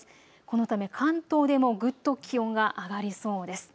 このため関東でもぐっと気温が上がりそうです。